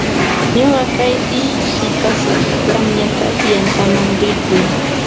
Ñuqa kaypi qipasaq, qamñataq yantaman rirquy.